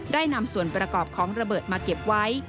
นำส่วนประกอบของระเบิดมาเก็บไว้